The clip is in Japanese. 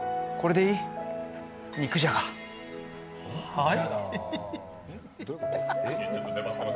はい？